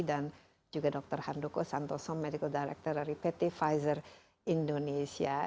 dan juga dr handoko santoso medical director dari pt pfizer indonesia